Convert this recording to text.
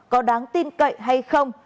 có đáng tin cậy hay không